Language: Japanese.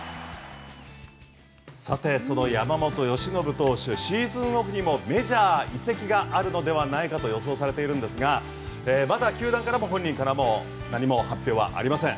さてその山本由伸投手シーズンオフにもメジャー移籍があるのではないかと予想されているんですがまだ球団からも本人からも何も発表はありません。